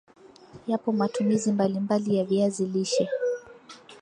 yapo ma tumizi mbalimbali ya viazi lishe